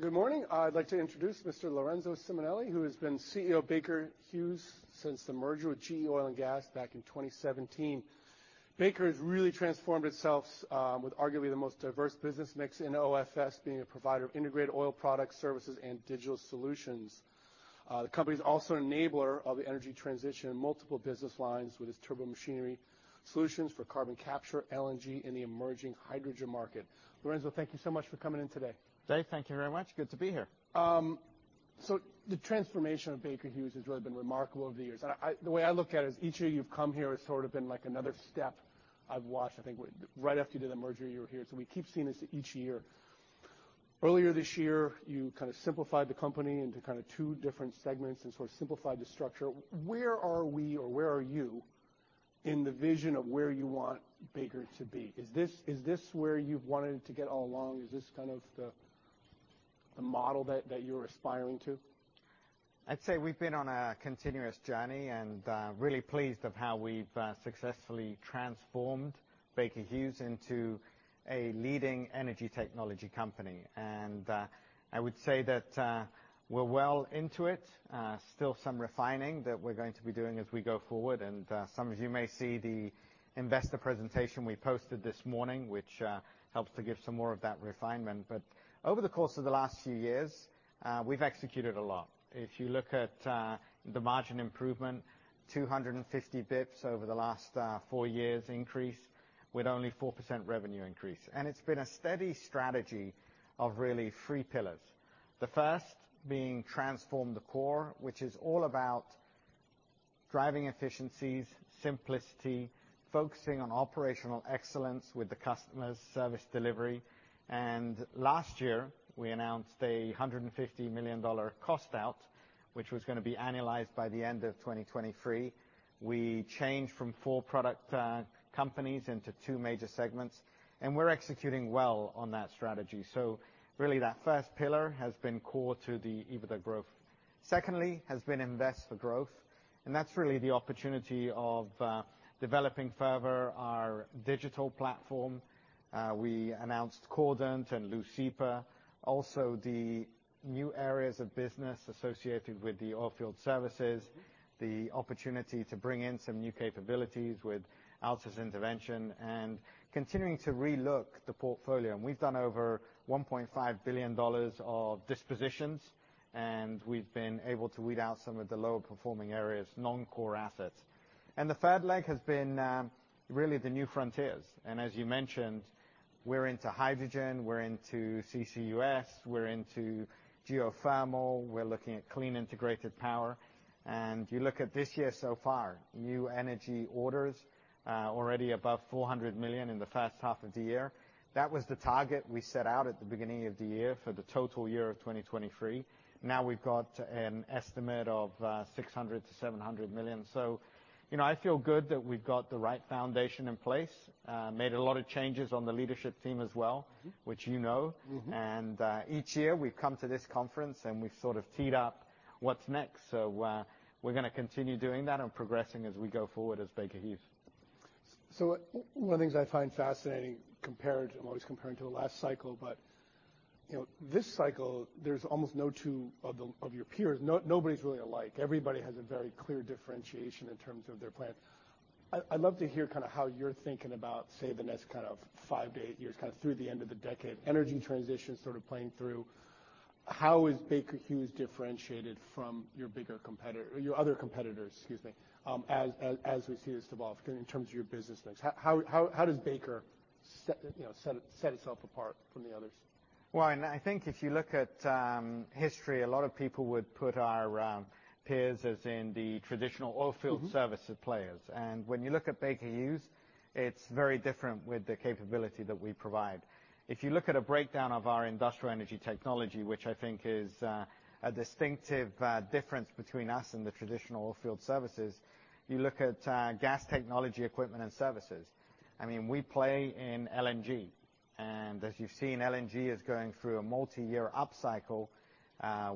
Good morning. I'd like to introduce Mr. Lorenzo Simonelli, who has been CEO Baker Hughes since the merger with GE Oil & Gas back in 2017. Baker has really transformed itself, with arguably the most diverse business mix in OFS, being a provider of integrated oil products, services, and digital solutions. The company is also an enabler of the energy transition in multiple business lines, with its turbomachinery solutions for carbon capture, LNG, and the emerging hydrogen market. Lorenzo, thank you so much for coming in today. Jay, thank you very much. Good to be here. So the transformation of Baker Hughes has really been remarkable over the years, and I, the way I look at it is each year you've come here, it's sort of been like another step I've watched. I think right after you did the merger, you were here, so we keep seeing this each year. Earlier this year, you kind of simplified the company into kind of two different segments and sort of simplified the structure. Where are we, or where are you in the vision of where you want Baker to be? Is this, is this where you've wanted it to get all along? Is this kind of the, the model that, that you're aspiring to? I'd say we've been on a continuous journey, and really pleased of how we've successfully transformed Baker Hughes into a leading energy technology company. I would say that we're well into it. Still some refining that we're going to be doing as we go forward, and some of you may see the investor presentation we posted this morning, which helps to give some more of that refinement. But over the course of the last few years, we've executed a lot. If you look at the margin improvement, 250 bps over the last four years increase, with only 4% revenue increase. And it's been a steady strategy of really three pillars. The first being transform the core, which is all about driving efficiencies, simplicity, focusing on operational excellence with the customers, service delivery. Last year, we announced $150 million cost out, which was gonna be annualized by the end of 2023. We changed from four product companies into two major segments, and we're executing well on that strategy. So really, that first pillar has been core to the EBITDA growth. Secondly, has been invest for growth, and that's really the opportunity of developing further our digital platform. We announced Cordant and Leucipa, also the new areas of business associated with the oilfield services, the opportunity to bring in some new capabilities with Altus Intervention and continuing to relook the portfolio. And we've done over $1.5 billion of dispositions, and we've been able to weed out some of the lower performing areas, non-core assets. And the third leg has been really the new frontiers. And as you mentioned, we're into hydrogen, we're into CCUS, we're into geothermal, we're looking at clean, integrated power. And you look at this year so far, new energy orders already above $400 million in the first half of the year. That was the target we set out at the beginning of the year for the total year of 2023. Now we've got an estimate of $600 million-$700 million. So, you know, I feel good that we've got the right foundation in place. Made a lot of changes on the leadership team as well. Mm-hmm. which you know. Mm-hmm. Each year we come to this conference, and we sort of teed up what's next. We're gonna continue doing that and progressing as we go forward as Baker Hughes. So one of the things I find fascinating compared, I'm always comparing to the last cycle, but, you know, this cycle, there's almost no two of the, of your peers, nobody's really alike. Everybody has a very clear differentiation in terms of their plan. I'd love to hear kinda how you're thinking about, say, the next kind of 5-8 years, kinda through the end of the decade, energy transition sort of playing through. How is Baker Hughes differentiated from your bigger competitor, your other competitors, excuse me, as we see this evolve, in terms of your business mix? How does Baker set, you know, set itself apart from the others? Well, I think if you look at history, a lot of people would put our peers as in the traditional oil field service players. Mm-hmm. When you look at Baker Hughes, it's very different with the capability that we provide. If you look at a breakdown of our Industrial & Energy Technology, which I think is a distinctive difference between us and the traditional oilfield services, you look at gas technology, equipment, and services. I mean, we play in LNG, and as you've seen, LNG is going through a multi-year upcycle.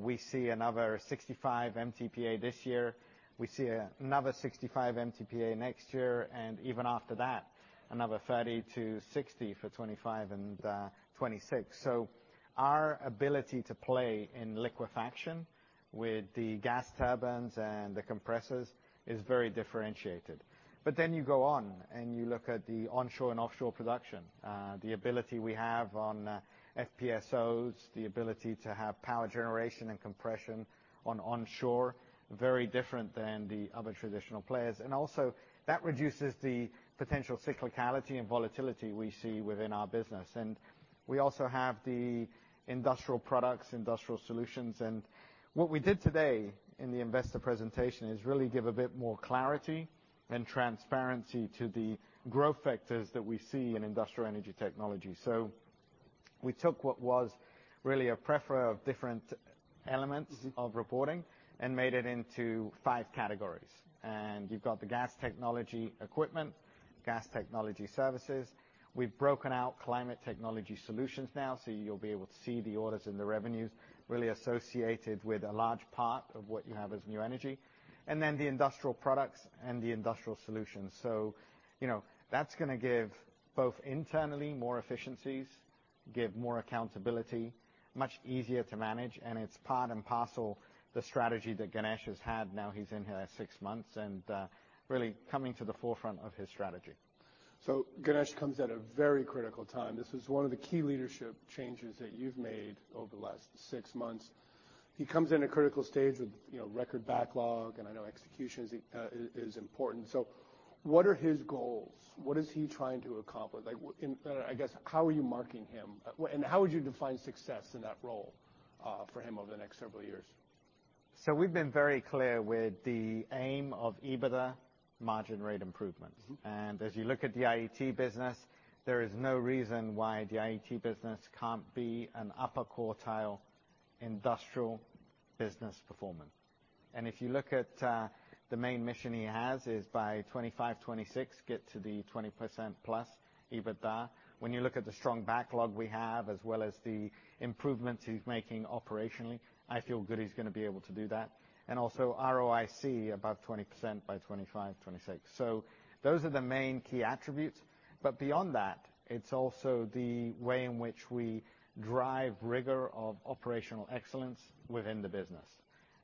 We see another 65 MTPA this year. We see another 65 MTPA next year, and even after that, another 30-60 for 2025 and 2026. So our ability to play in liquefaction with the gas turbines and the compressors is very differentiated. But then you go on, and you look at the onshore and offshore production, the ability we have on FPSOs, the ability to have power generation and compression on onshore, very different than the other traditional players. And also, that reduces the potential cyclicality and volatility we see within our business. And we also have the Industrial Products, Industrial Solutions. And what we did today in the investor presentation is really give a bit more clarity and transparency to the growth vectors that we see in Industrial Energy Technology. So we took what was really a plethora of different elements- Mm-hmm. of reporting and made it into five categories. You've got the Gas Technology Equipment, Gas Technology Services. We've broken out Climate Technology Solutions now, so you'll be able to see the orders and the revenues really associated with a large part of what you have as new energy, and then the Industrial Products and the Industrial Solutions. So, you know, that's gonna give both internally more efficiencies, give more accountability, much easier to manage, and it's part and parcel the strategy that Ganesh has had now he's in here six months, and really coming to the forefront of his strategy. So Ganesh comes at a very critical time. This is one of the key leadership changes that you've made over the last six months. He comes in a critical stage with, you know, record backlog, and I know execution is important. So what are his goals? What is he trying to accomplish? Like, and, I guess, how are you marking him? And how would you define success in that role for him over the next several years? We've been very clear with the aim of EBITDA margin rate improvements. Mm-hmm. As you look at the IET business, there is no reason why the IET business can't be an upper quartile industrial business performance. If you look at the main mission he has, is by 2025, 2026, get to the 20%+ EBITDA. When you look at the strong backlog we have, as well as the improvements he's making operationally, I feel good he's gonna be able to do that. Also ROIC, above 20% by 2025, 2026. Those are the main key attributes, but beyond that, it's also the way in which we drive rigor of operational excellence within the business,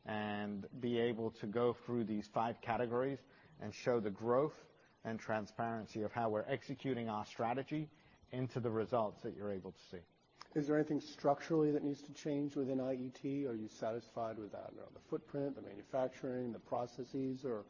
and be able to go through these five categories and show the growth and transparency of how we're executing our strategy into the results that you're able to see. Is there anything structurally that needs to change within IET? Are you satisfied with, I don't know, the footprint, the manufacturing, the processes, or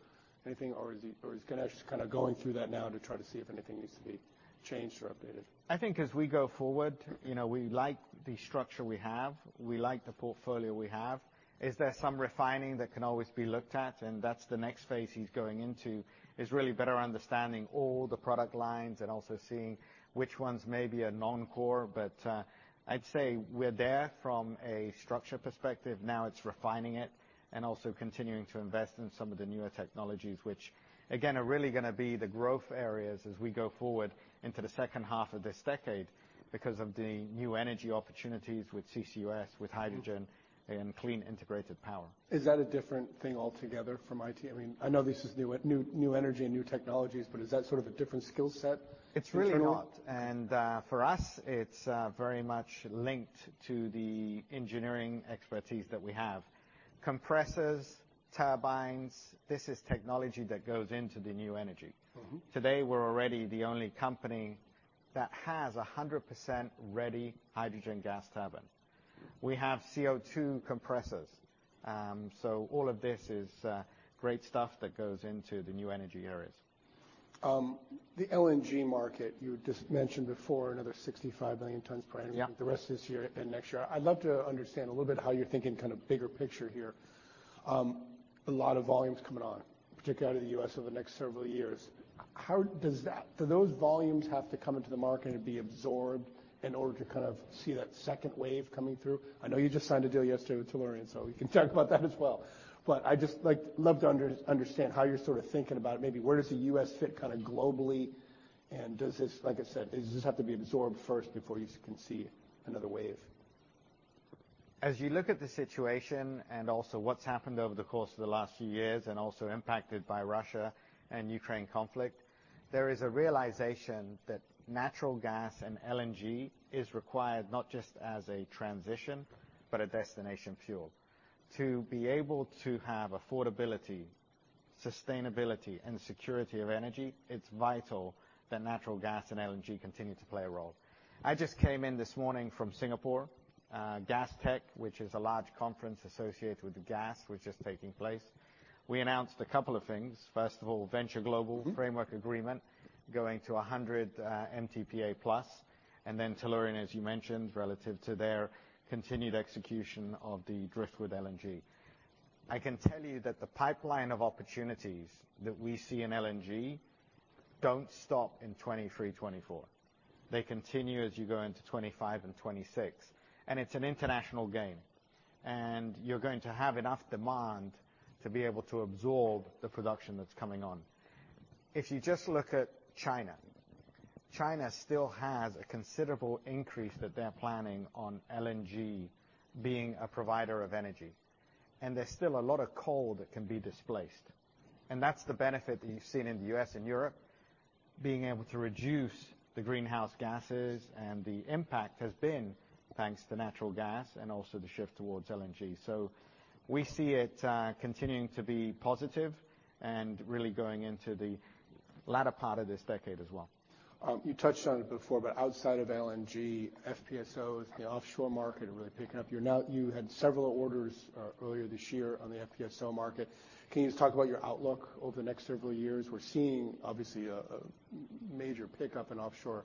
anything, or is he, or is Ganesh kind of going through that now to try to see if anything needs to be changed or updated? I think as we go forward, you know, we like the structure we have. We like the portfolio we have. Is there some refining? That can always be looked at, and that's the next phase he's going into, is really better understanding all the product lines and also seeing which ones may be a non-core. But, I'd say we're there from a structure perspective. Now it's refining it and also continuing to invest in some of the newer technologies, which, again, are really gonna be the growth areas as we go forward into the second half of this decade because of the new energy opportunities with CCUS, with hydrogen- Mm-hmm. and clean integrated power. Is that a different thing altogether from IT? I mean, I know this is new, new, new energy and new technologies, but is that sort of a different skill set internal? It's really not, and, for us, it's very much linked to the engineering expertise that we have. Compressors, turbines, this is technology that goes into the new energy. Mm-hmm. Today, we're already the only company that has 100% ready hydrogen gas turbine. We have CO2 compressors. So all of this is great stuff that goes into the new energy areas. The LNG market, you just mentioned before, another 65 million tons per annum- Yeah... the rest of this year and next year. I'd love to understand a little bit how you're thinking kind of bigger picture here. A lot of volumes coming on, particularly out of the U.S. over the next several years. How does that... Do those volumes have to come into the market and be absorbed in order to kind of see that second wave coming through? I know you just signed a deal yesterday with Tellurian, so we can talk about that as well. But I just like, love to understand how you're sort of thinking about it. Maybe where does the U.S. fit kind of globally, and does this... Like I said, does this have to be absorbed first before you can see another wave? As you look at the situation and also what's happened over the course of the last few years, and also impacted by Russia and Ukraine conflict, there is a realization that natural gas and LNG is required not just as a transition, but a destination fuel. To be able to have affordability, sustainability, and security of energy, it's vital that natural gas and LNG continue to play a role. I just came in this morning from Singapore, Gastech, which is a large conference associated with gas, which is taking place. We announced a couple of things. First of all, Venture Global- Mm-hmm... Framework Agreement, going to 100 MTPA plus, and then Tellurian, as you mentioned, relative to their continued execution of the Driftwood LNG. I can tell you that the pipeline of opportunities that we see in LNG don't stop in 2023, 2024. They continue as you go into 2025 and 2026, and it's an international game, and you're going to have enough demand to be able to absorb the production that's coming on. If you just look at China, China still has a considerable increase that they're planning on LNG being a provider of energy, and there's still a lot of coal that can be displaced. And that's the benefit that you've seen in the US and Europe, being able to reduce the greenhouse gases, and the impact has been thanks to natural gas and also the shift towards LNG. So we see it, continuing to be positive and really going into the latter part of this decade as well. You touched on it before, but outside of LNG, FPSOs, the offshore market are really picking up. You had several orders earlier this year on the FPSO market. Can you just talk about your outlook over the next several years? We're seeing, obviously, a major pickup in offshore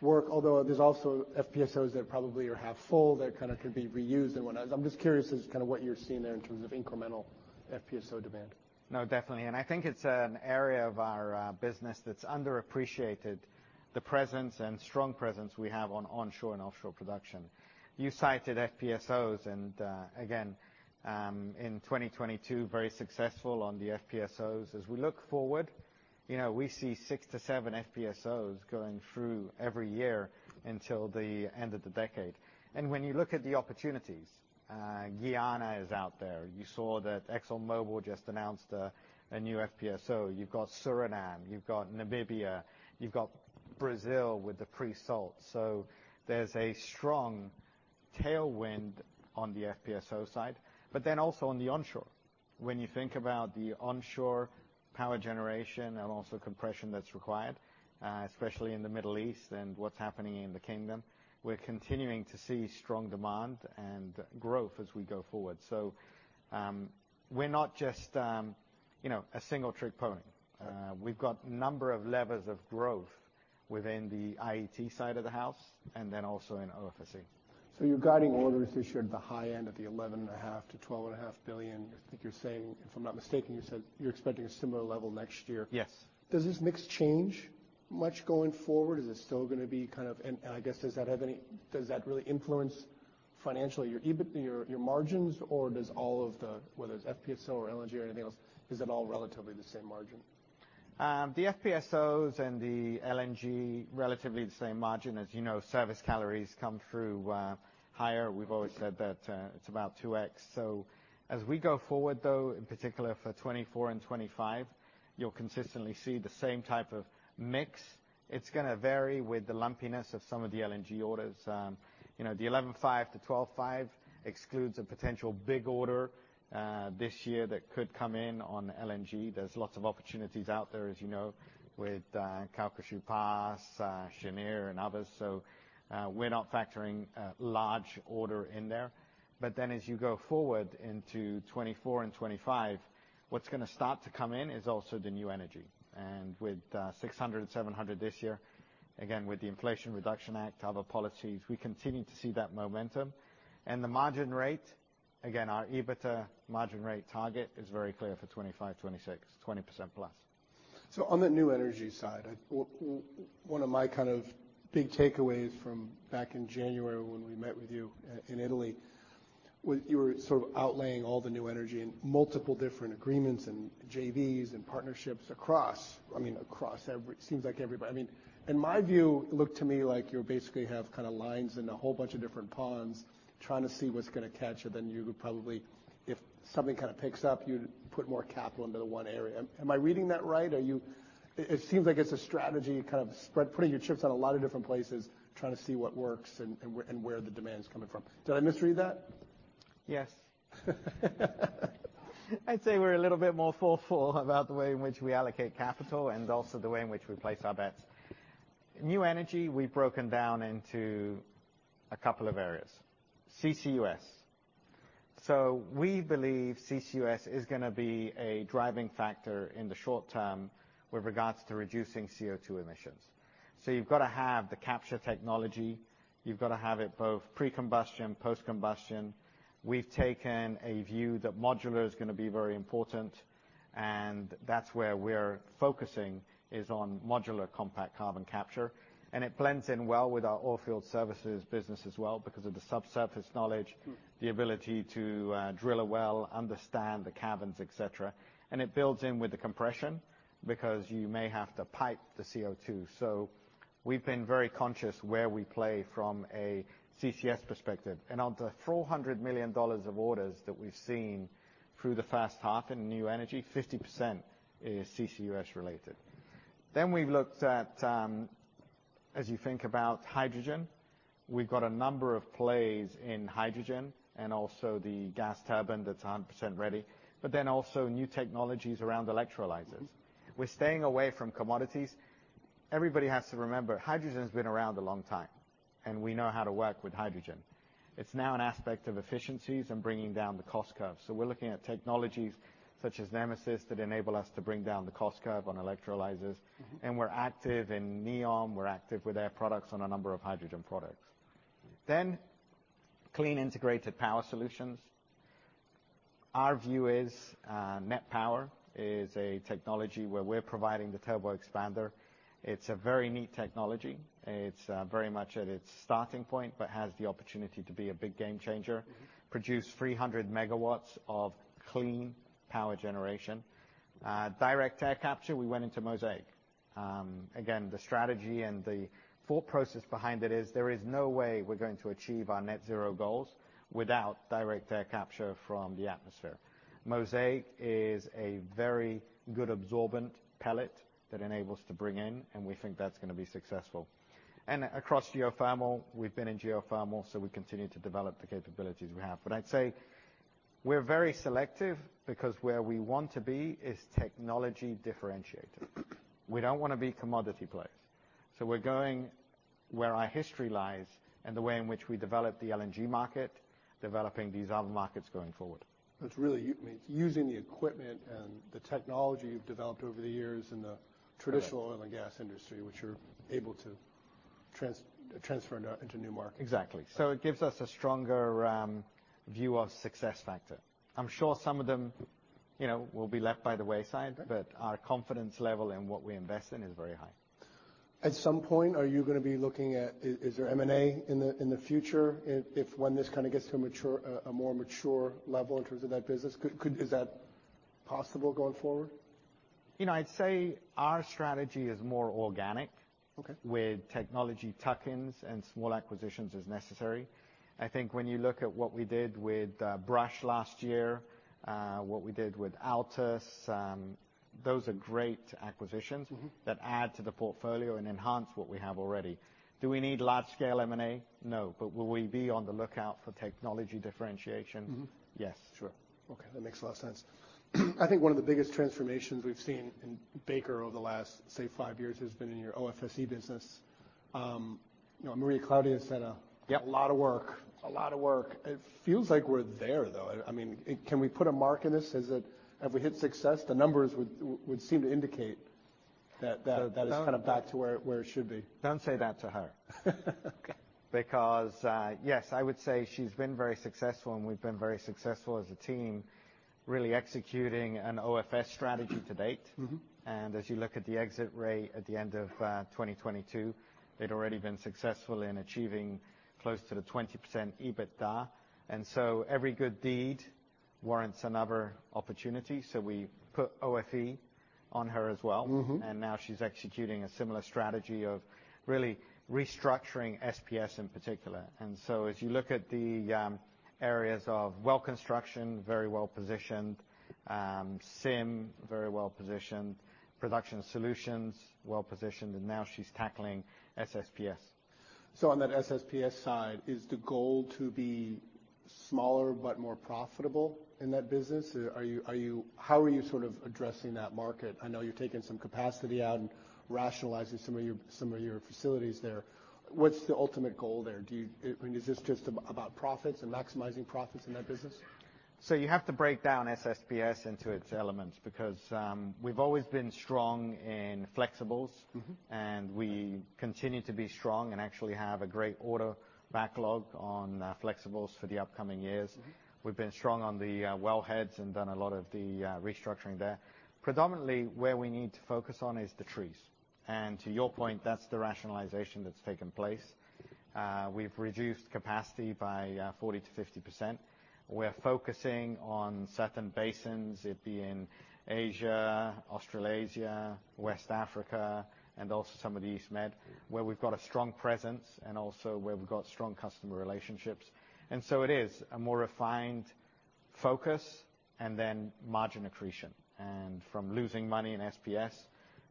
work, although there's also FPSOs that probably are half full, that kind of could be reused and whatnot. I'm just curious as to kind of what you're seeing there in terms of incremental FPSO demand. No, definitely, and I think it's an area of our business that's underappreciated, the presence and strong presence we have on onshore and offshore production. You cited FPSOs, and again, in 2022, very successful on the FPSOs. As we look forward, you know, we see 6-7 FPSOs going through every year until the end of the decade. And when you look at the opportunities, Guyana is out there. You saw that ExxonMobil just announced a new FPSO. You've got Suriname, you've got Namibia, you've got Brazil with the pre-salt. So there's a strong tailwind on the FPSO side, but then also on the onshore. When you think about the onshore power generation and also compression that's required, especially in the Middle East and what's happening in the Kingdom, we're continuing to see strong demand and growth as we go forward. So, we're not just, you know, a single-trick pony. We've got number of levers of growth within the IET side of the house, and then also in OFSE. You're guiding orders issued at the high end of the $11.5 billion-$12.5 billion. I think you're saying, if I'm not mistaken, you said you're expecting a similar level next year? Yes. Does this mix change much going forward? Is it still gonna be kind of, and I guess, does that have any, does that really influence financially your EBIT, your margins, or does all of the, whether it's FPSO or LNG or anything else, is it all relatively the same margin? The FPSOs and the LNG, relatively the same margin. As you know, services come through higher. We've always said that, it's about 2x. So as we go forward, though, in particular for 2024 and 2025, you'll consistently see the same type of mix. It's gonna vary with the lumpiness of some of the LNG orders. You know, the 11.5-12.5 excludes a potential big order this year that could come in on LNG. There's lots of opportunities out there, as you know, with Calcasieu Pass, Cheniere, and others. So, we're not factoring a large order in there. But then as you go forward into 2024 and 2025, what's gonna start to come in is also the new energy, and with 600 and 700 this year, again, with the Inflation Reduction Act, other policies, we continue to see that momentum. And the margin rate, again, our EBITDA margin rate target is very clear for 2025, 2026, 20%+. So on the new energy side, I, one of my kind of big takeaways from back in January when we met with you in Italy, you were sort of outlaying all the new energy and multiple different agreements and JVs and partnerships across, I mean, across every. It seems like, I mean, in my view, it looked to me like you basically have kind of lines in a whole bunch of different ponds trying to see what's gonna catch, and then you probably, if something kind of picks up, you'd put more capital into the one area. Am I reading that right? Are you? It, it seems like it's a strategy, kind of spread, putting your chips on a lot of different places, trying to see what works and, and where, and where the demand is coming from. Did I misread that? Yes. I'd say we're a little bit more thoughtful about the way in which we allocate capital and also the way in which we place our bets. new energy, we've broken down into a couple of areas. CCUS. So we believe CCUS is gonna be a driving factor in the short term with regards to reducing CO2 emissions. So you've got to have the capture technology. You've got to have it both pre-combustion, post-combustion. We've taken a view that modular is gonna be very important, and that's where we're focusing, is on modular compact carbon capture, and it blends in well with our oil field services business as well because of the subsurface knowledge, the ability to drill a well, understand the caverns, etc. And it builds in with the compression because you may have to pipe the CO2. So we've been very conscious where we play from a CCS perspective. And of the $400 million of orders that we've seen through the first half in new energy, 50% is CCUS related. Then we've looked at. As you think about hydrogen, we've got a number of plays in hydrogen and also the gas turbine that's 100% ready, but then also new technologies around electrolyzers. Mm-hmm. We're staying away from commodities. Everybody has to remember, hydrogen has been around a long time, and we know how to work with hydrogen. It's now an aspect of efficiencies and bringing down the cost curve. So we're looking at technologies such as Nemesys that enable us to bring down the cost curve on electrolyzers. Mm-hmm. We're active in Neom, we're active with their products on a number of hydrogen products. Then, clean integrated power solutions. Our view is, NET Power is a technology where we're providing the Turbo Expander. It's a very neat technology. It's very much at its starting point, but has the opportunity to be a big game changer. Mm-hmm. Produce 300 MW of clean power generation. Direct air capture, we went into Mosaic. Again, the strategy and the thought process behind it is, there is no way we're going to achieve our net zero goals without direct air capture from the atmosphere. Mosaic is a very good absorbent pellet that enables to bring in, and we think that's gonna be successful. And across geothermal, we've been in geothermal, so we continue to develop the capabilities we have. But I'd say we're very selective because where we want to be is technology differentiated. Mm-hmm. We don't want to be commodity players, so we're going where our history lies and the way in which we develop the LNG market, developing these other markets going forward. It's really—I mean, it's using the equipment and the technology you've developed over the years in the- Right... traditional oil and gas industry, which you're able to transfer into new markets. Exactly. So it gives us a stronger view of success factor. I'm sure some of them, you know, will be left by the wayside- Okay... but our confidence level in what we invest in is very high. At some point, are you gonna be looking at, is there M&A in the future, if when this kind of gets to a more mature level in terms of that business? Could, is that possible going forward?... You know, I'd say our strategy is more organic- Okay. -with technology tuck-ins and small acquisitions as necessary. I think when you look at what we did with Brush last year, what we did with Altus, those are great acquisitions- Mm-hmm. -that add to the portfolio and enhance what we have already. Do we need large-scale M&A? No. But will we be on the lookout for technology differentiation? Mm-hmm. Yes, sure. Okay, that makes a lot of sense. I think one of the biggest transformations we've seen in Baker over the last, say, five years, has been in your OFSE business. You know, Maria Claudia said, Yeah A lot of work. A lot of work. It feels like we're there, though. I mean, it—can we put a mark in this? Is it... Have we hit success? The numbers would seem to indicate that. So don't- that is kind of back to where, where it should be. Don't say that to her. Okay. Because, yes, I would say she's been very successful, and we've been very successful as a team, really executing an OFS strategy to date. Mm-hmm. And as you look at the exit rate at the end of 2022, they'd already been successful in achieving close to the 20% EBITDA, and so every good deed warrants another opportunity, so we put OFE on her as well. Mm-hmm. Now she's executing a similar strategy of really restructuring SPS in particular. So as you look at the areas of well construction, very well positioned, CIM, very well positioned, production solutions, well positioned, and now she's tackling SSPS. So on that SSPS side, is the goal to be smaller but more profitable in that business? Are you, how are you sort of addressing that market? I know you're taking some capacity out and rationalizing some of your facilities there. What's the ultimate goal there? Do you... I mean, is this just about profits and maximizing profits in that business? You have to break down SSPS into its elements, because we've always been strong in flexibles. Mm-hmm. We continue to be strong, and actually have a great order backlog on Flexibles for the upcoming years. Mm-hmm. We've been strong on the, wellheads and done a lot of the, restructuring there. Predominantly, where we need to focus on is the trees, and to your point, that's the rationalization that's taken place. We've reduced capacity by, 40%-50%. We're focusing on certain basins, it be in Asia, Australasia, West Africa, and also some of the East Med, where we've got a strong presence and also where we've got strong customer relationships. And so it is a more refined focus and then margin accretion. And from losing money in SPS,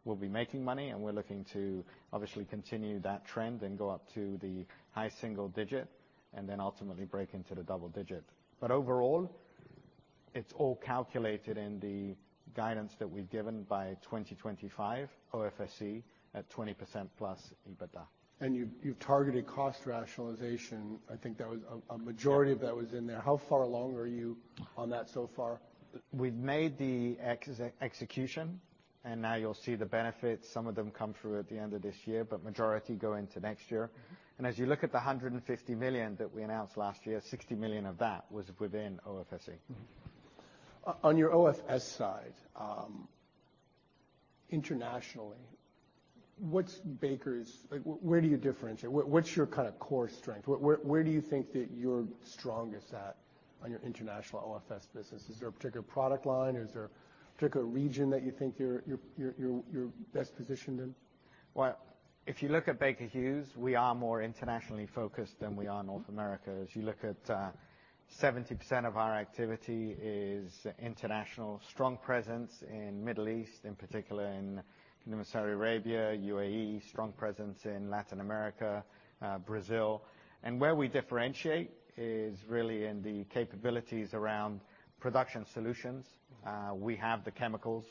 we'll be making money, and we're looking to obviously continue that trend and go up to the high single digit, and then ultimately break into the double digit. But overall, it's all calculated in the guidance that we've given by 2025, OFSE at 20%+ EBITDA. You've targeted cost rationalization. I think that was... a majority of that was in there. How far along are you on that so far? We've made the execution, and now you'll see the benefits. Some of them come through at the end of this year, but majority go into next year. And as you look at the $150 million that we announced last year, $60 million of that was within OFSE. Mm-hmm. On your OFS side, internationally, what's Baker's... Like, where do you differentiate? What's your kind of core strength? Where do you think that you're strongest at on your international OFS business? Is there a particular product line or is there a particular region that you think you're best positioned in? Well, if you look at Baker Hughes, we are more internationally focused than we are in North America. Mm-hmm. As you look at 70% of our activity is international. Strong presence in Middle East, in particular in Saudi Arabia, UAE, strong presence in Latin America, Brazil. And where we differentiate is really in the capabilities around production solutions. We have the chemicals,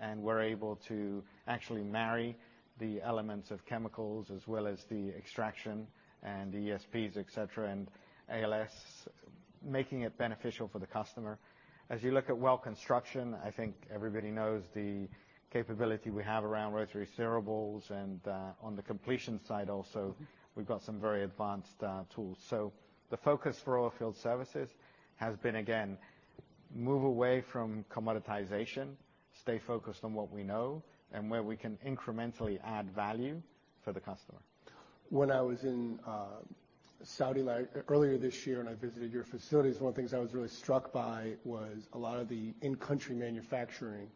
and we're able to actually marry the elements of chemicals as well as the extraction and the ESPs, et cetera, and ALS, making it beneficial for the customer. As you look at well construction, I think everybody knows the capability we have around rotary steerables, and on the completion side also- Mm-hmm... we've got some very advanced tools. So the focus for oilfield services has been, again, move away from commoditization, stay focused on what we know and where we can incrementally add value for the customer. When I was in Saudi earlier this year and I visited your facilities, one of the things I was really struck by was a lot of the in-country manufacturing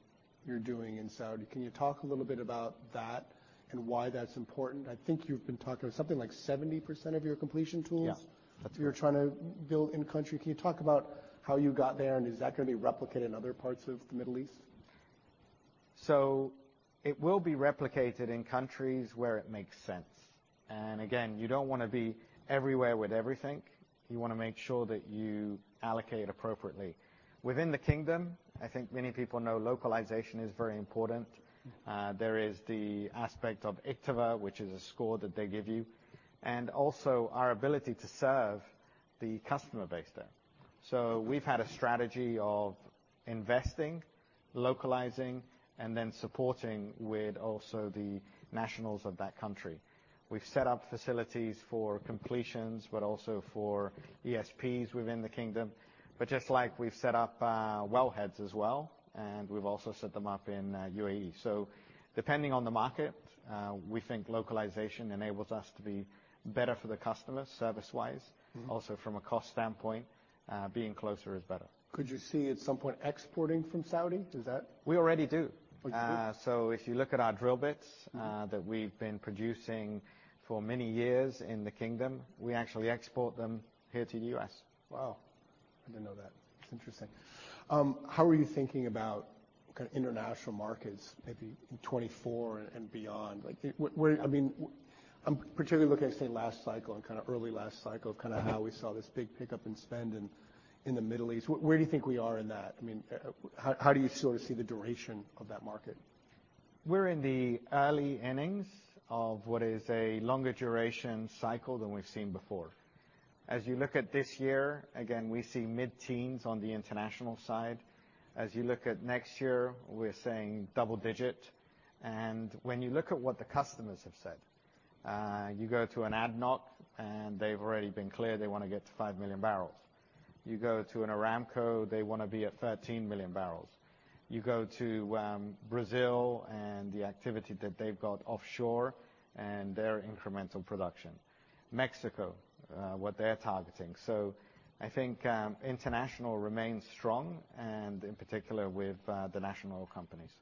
you're doing in Saudi. Can you talk a little bit about that and why that's important? I think you've been talking about something like 70% of your completion tools- Yeah. That's right. You're trying to build in-country. Can you talk about how you got there, and is that going to be replicated in other parts of the Middle East? So it will be replicated in countries where it makes sense. And again, you don't want to be everywhere with everything. You want to make sure that you allocate appropriately. Within the Kingdom, I think many people know localization is very important. There is the aspect of IKTVA, which is a score that they give you, and also our ability to serve the customer base there. So we've had a strategy of investing, localizing, and then supporting with also the nationals of that country. We've set up facilities for completions, but also for ESPs within the Kingdom. But just like we've set up wellheads as well, and we've also set them up in UAE. So depending on the market, we think localization enables us to be better for the customer, service-wise. Mm-hmm. Also, from a cost standpoint, being closer is better. Could you see at some point exporting from Saudi? Does that- We already do. Oh, you do? So, if you look at our drill bits that we've been producing for many years in the Kingdom, we actually export them here to the U.S. Wow! I didn't know that. It's interesting. How are you thinking about kind of international markets, maybe in 2024 and beyond? Like, where— I mean, I'm particularly looking at, say, last cycle and kind of early last cycle, of kind of how we saw this big pickup in spend in the Middle East. Where do you think we are in that? I mean, how do you sort of see the duration of that market? We're in the early innings of what is a longer duration cycle than we've seen before. As you look at this year, again, we see mid-teens on the international side. As you look at next year, we're saying double-digit. When you look at what the customers have said, you go to an ADNOC, and they've already been clear they want to get to 5 million barrels. You go to an Aramco, they want to be at 13 million barrels. You go to Brazil and the activity that they've got offshore and their incremental production. Mexico, what they're targeting. So I think international remains strong, and in particular, with the national oil companies.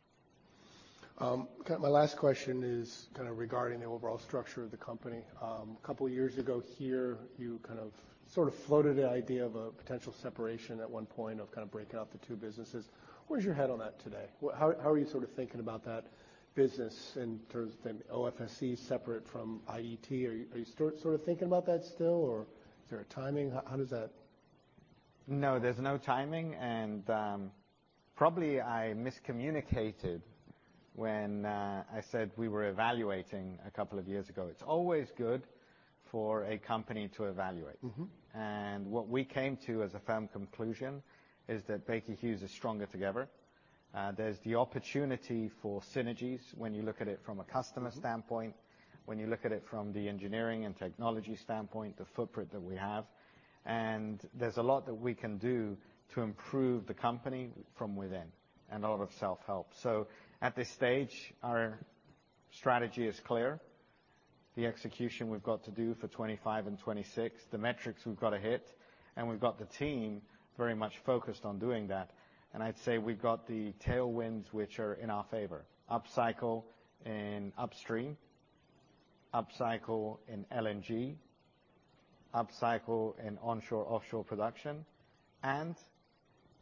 My last question is kind of regarding the overall structure of the company. A couple of years ago here, you kind of sort of floated the idea of a potential separation at one point of kind of breaking up the two businesses. Where's your head on that today? How, how are you sort of thinking about that business in terms of the OFSE separate from IET? Are you sort of thinking about that still, or is there a timing? How does that- No, there's no timing, and probably I miscommunicated when I said we were evaluating a couple of years ago. It's always good for a company to evaluate. Mm-hmm. What we came to as a firm conclusion is that Baker Hughes is stronger together. There's the opportunity for synergies when you look at it from a customer standpoint, when you look at it from the engineering and technology standpoint, the footprint that we have. There's a lot that we can do to improve the company from within, and a lot of self-help. At this stage, our strategy is clear. The execution we've got to do for 2025 and 2026, the metrics we've got to hit, and we've got the team very much focused on doing that. I'd say we've got the tailwinds which are in our favor, upcycle in upstream, upcycle in LNG, upcycle in onshore, offshore production, and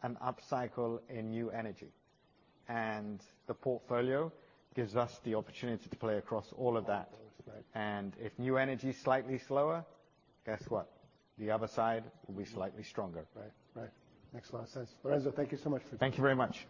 an upcycle in new energy. The portfolio gives us the opportunity to play across all of that. All of that, right. If New Energy is slightly slower, guess what? The other side will be slightly stronger. Right. Right. Excellent sense. Lorenzo, thank you so much. Thank you very much.